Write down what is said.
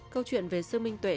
câu chuyện về sư minh tuệ